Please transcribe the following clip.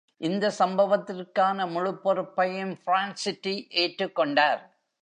இந்த சம்பவத்திற்கான முழுப் பொறுப்பையும் ஃப்ரான்சிட்டி ஏற்றுக் கொண்டார்.